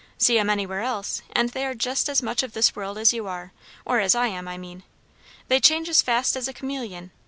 See 'em anywhere else, and they are just as much of this world as you are or as I am, I mean. They change as fast as a chameleon.